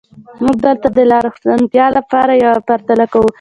موږ دلته د لا روښانتیا لپاره یوه پرتله کوو.